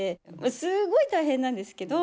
すごい大変なんですけど。